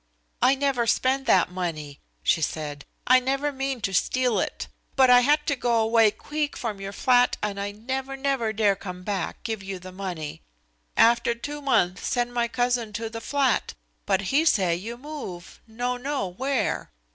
"I never spend that money," she said. "I never mean to steal it. But I had to go away queeck from your flat and I never, never dare come back, give you the money. After two month, send my cousin to the flat, but he say you move, no know where.